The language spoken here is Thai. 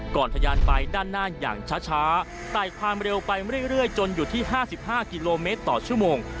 ทะยานไปด้านหน้าอย่างช้าแต่ความเร็วไปเรื่อยจนอยู่ที่๕๕กิโลเมตรต่อชั่วโมง